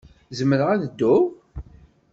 Zemreɣ ad dduɣ?